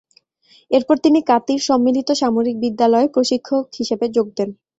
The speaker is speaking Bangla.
এরপর তিনি কাতি-র সম্মিলিত সামরিক বিদ্যালয়-এ প্রশিক্ষক হিসেবে যোগ দেন।